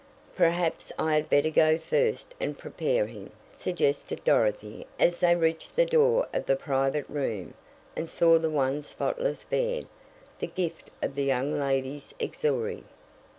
"Perhaps I had better go first and prepare him," suggested Dorothy as they reached the door of the private room and saw the one spotless bed the gift of the young ladies' auxiliary.